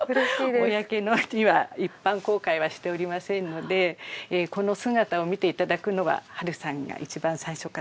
公には一般公開はしておりませんのでこの姿を見ていただくのは波瑠さんが一番最初かと思います。